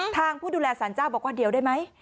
ผู้ดูแลสารเจ้าบอกว่าเดี๋ยวได้ไหม